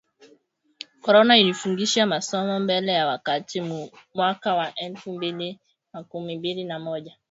Corona ilifungisha masomo mbele ya wakati mu mwaka wa elfu mbili makumi mbili na moja